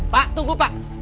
pak tunggu pak